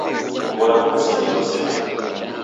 Nguw'o rapo risenyelo sena.